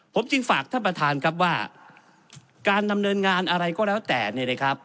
ผมจึงฝากท่านประธานครับว่าการดำเนินงานอะไรก็แล้วแต่เนี่ยนะครับ